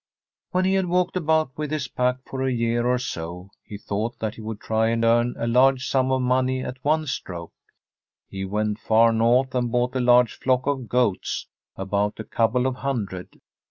When he had walked about with his pack for a year or so he thought that he would try and earn a large sum of money at one stroke. He went far north and bought a laree flock of goats, about a couple of hundred.